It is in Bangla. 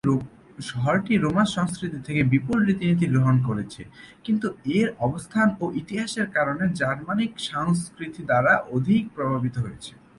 শহরটি রোমান সংস্কৃতি থেকে বিপুল রীতিনীতি গ্রহণ করেছে, কিন্তু এর অবস্থান ও ইতিহাসের কারণে জার্মানিক সংস্কৃতি দ্বারাই অধিক প্রভাবিত হয়েছে।